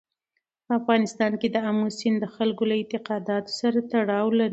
په افغانستان کې آمو سیند د خلکو له اعتقاداتو سره تړاو لري.